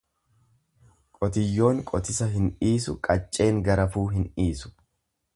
Qotiyyoon qotisa hin dhiisu qacceen garafuu hin dhiisu.